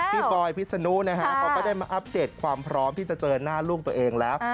บอยพิษนุนะฮะเขาก็ได้มาอัปเดตความพร้อมที่จะเจอหน้าลูกตัวเองแล้ว